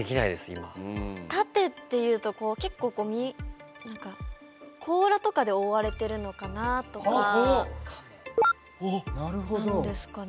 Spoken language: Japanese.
今盾っていうとこう結構何か甲羅とかで覆われてるのかなとかなんですかね